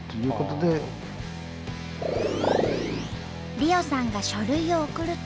莉緒さんが書類を送ると。